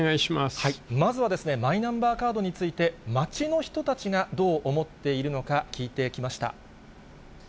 まずは、マイナンバーカードについて、街の人たちがどう思っているのか、聞いてきました。